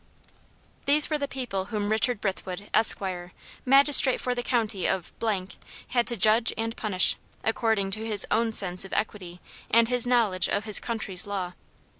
These were the people whom Richard Brithwood, Esquire, magistrate for the county of , had to judge and punish, according to his own sense of equity and his knowledge of his country's law.